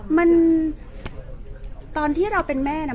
แต่ว่ามันมารู้ก็คือมันกลุ่มไม่กลับแล้วแค่นั้นดีกว่าค่ะ